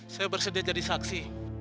saya bersedih jadi saksi